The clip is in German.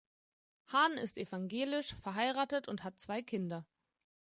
Hahn ist evangelisch, verheiratet und hat zwei Kinder.